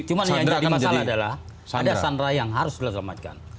cuma yang jadi masalah adalah ada sandra yang harus diselamatkan